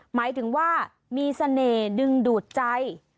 หมายถึงว่ามีเสน่ห์ดึงดูดใจ